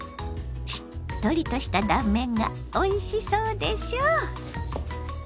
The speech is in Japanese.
しっとりとした断面がおいしそうでしょ？